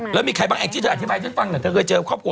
แล้วมีใครบ้างแองจิเธออธิบายให้เจอฟัง